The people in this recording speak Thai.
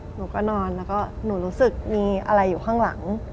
หนูก็นอนแล้วก็หนูรู้สึกมีอะไรอยู่ข้างหลัง